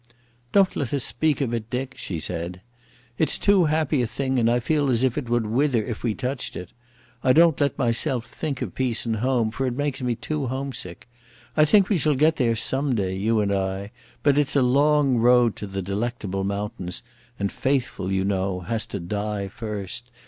"Don't let us speak of it, Dick," she said. "It's too happy a thing and I feel as if it would wither if we touched it. I don't let myself think of peace and home, for it makes me too homesick.... I think we shall get there some day, you and I ... but it's a long road to the Delectable Mountains, and Faithful, you know, has to die first....